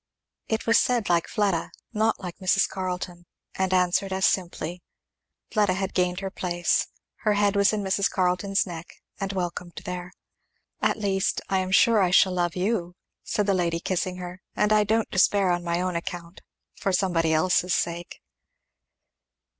It was said like Fleda, not like Mrs. Carleton, and answered as simply. Fleda had gained her place. Her head was in Mrs. Carleton's neck, and welcomed there. "At least I am sure I shall love you," said the lady kissing her, "and I don't despair on my own account, for somebody else's sake."